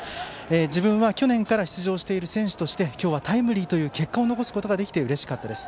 自分は去年から出場している選手として、今日はタイムリーという結果を残すことができてうれしかったです。